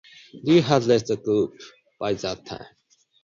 Rea had left the group by that time.